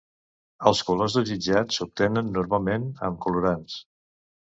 Els colors desitjats s'obtenen normalment amb colorants.